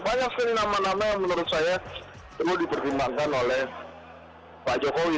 banyak sekali nama nama yang menurut saya perlu dipertimbangkan oleh pak jokowi